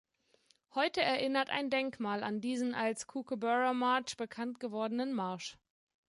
Heute erinnert ein Denkmal an diesen als "Kookaburra March" bekannt gewordenen Marsch.